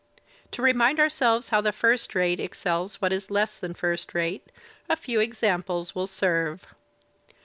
To remind ourselves how the first rate excels what is less than first rate, a few examples will serve.